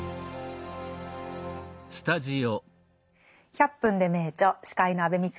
「１００分ｄｅ名著」司会の安部みちこです。